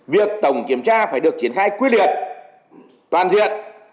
việc tổng kiểm tra phải được triển khai quyết liệt toàn diện